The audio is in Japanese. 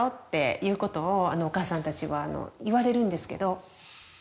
いうことをお母さんたちは言われるんですけど。